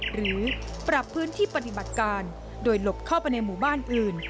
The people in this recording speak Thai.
หรือปรับพื้นที่ปฏิบัติการโดยหลบเข้าไปในหมู่บ้านอื่น